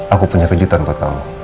aku punya kejutan pak kamu